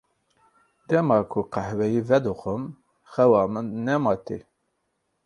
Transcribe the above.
Dema ku qehweyê vedixwim xewa min nema tê.